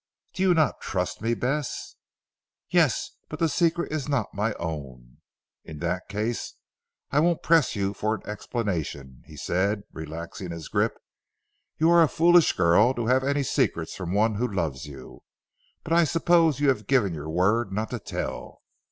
Do you not trust me Bess?" "Yes. But the secret is not my own." "In that case I won't press you for an explanation," he said relaxing his grip, "you are a foolish girl to have any secrets from one who loves you. But I suppose you have given your word not to tell?"